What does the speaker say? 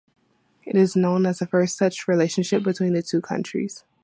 It is known as the first such relationship between the two countries.